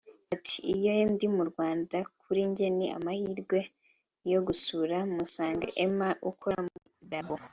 ati « Iyo ndi mu Rwanda kuri jye ni amahirwe yo gusura Masenge Emma ukora muri labo